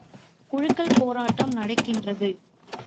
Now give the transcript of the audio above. குழுக்கள் போராட்டம் நடக்கின்றது.